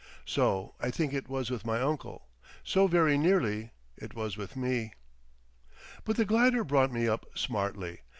So I think it was with my uncle; so, very nearly, it was with me. But the glider brought me up smartly.